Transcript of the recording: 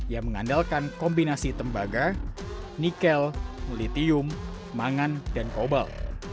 yang mengandalkan kombinasi tembaga nikel litium mangan dan kobel